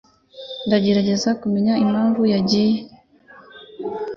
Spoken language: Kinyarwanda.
Ndagerageza kumenya impamvu yagiye.